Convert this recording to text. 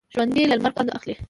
ژوندي له لمر خوند اخلي